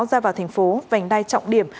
ra vào thành phố vành đai trọng điểm